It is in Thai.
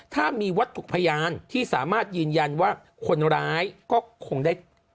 ถ้ามีวัตถุพยานที่สามารถยืนยันว่าคนร้ายก็คงได้